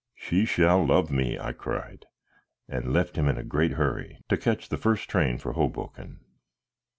"She shall love me," I cried, and left him in a great hurry, to catch the first train for Hoboken.